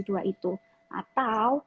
dua itu atau